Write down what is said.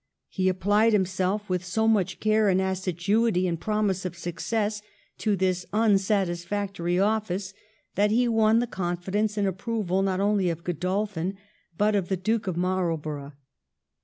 He applied himself with so much care and assiduity and promise of success to this unsatisfactory office that he won the confidence and approval not only of Godolphin, but of the Duke of Marlborough.